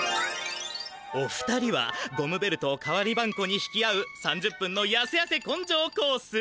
お二人はゴムベルトを代わりばんこに引き合う３０分の「やせやせこんじょうコース」。